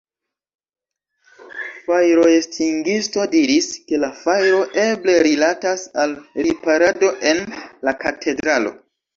Fajroestingisto diris, ke la fajro eble rilatas al riparado en la katedralo.